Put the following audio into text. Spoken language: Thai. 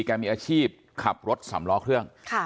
มีอาชีพขับรถสำล้อเครื่อง